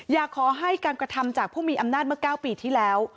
อยากให้การกระทำจากผู้มีอำนาจเมื่อ๙ปีที่แล้ว